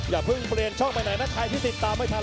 อย่าเพิ่งเปลี่ยนช่องไปไหนนะใครที่ติดตามไม่ทัน